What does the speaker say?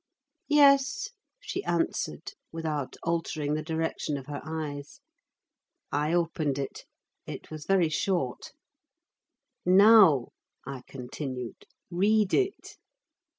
"Yes," she answered, without altering the direction of her eyes. I opened it—it was very short. "Now," I continued, "read it."